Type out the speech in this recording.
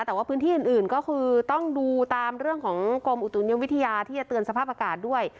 แต่ว่าพื้นที่อื่นก็คือต้องดูตามเรื่องของกรมอุตุนิยมวิทยาที่จะเตือนสภาพอากาศด้วย